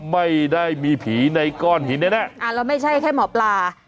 ไม่ได้มีผีในก้อนหินแน่แน่อ่าแล้วไม่ใช่แค่หมอปลา